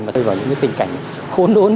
mà tôi gọi là những tình cảnh khốn đốn